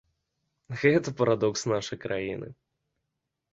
Гэта парадокс нашай краіны.